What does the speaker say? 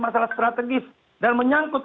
masalah strategis dan menyangkut